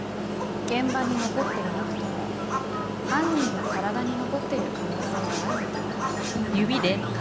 現場に残っていなくとも犯人の体に残っている可能性があるのでは？